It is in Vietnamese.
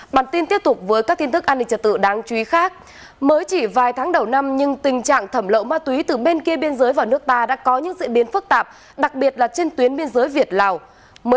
bản tin tiếp tục với các tin tức an ninh trật tự đáng chú ý khác mới chỉ vài tháng đầu năm nhưng tình trạng thẩm lậu ma túy từ bên kia biên giới vào nước ta đã có những diễn biến phức tạp đặc biệt là trên tuyến biên giới việt lào